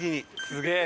すげえ！